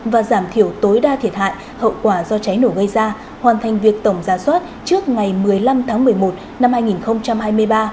và giảm thiểu tối đa thiệt hại hậu quả do cháy nổ gây ra hoàn thành việc tổng gia soát trước ngày một mươi năm tháng một mươi một năm hai nghìn hai mươi ba